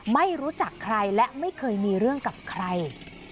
ไม่รู้จักใครและไม่เคยมีเรื่องกับใคร